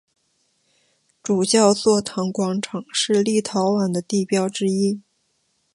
主教座堂广场是立陶宛的地标之一。